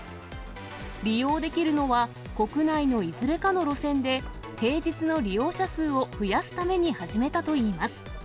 利用できるのは、国内のいずれかの路線で平日の利用者数を増やすために始めたといいます。